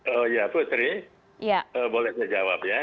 oh ya putri boleh saya jawab ya